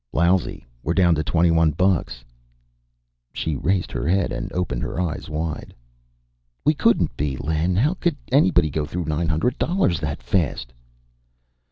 "Lousy. We're down to twenty one bucks." She raised her head and opened her eyes wide. "We couldn't be! Len, how could anybody go through nine hundred dollars that fast?"